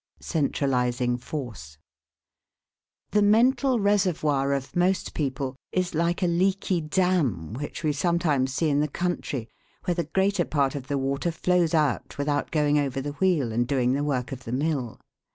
CENTRALIZING FORCE. The mental reservoir of most people is like a leaky dam which we sometimes see in the country, where the greater part of the water flows out without going over the wheel and doing the work of the mill.